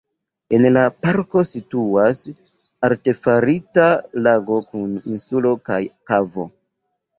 En la parko situas artefarita lago kun insulo kaj kavo.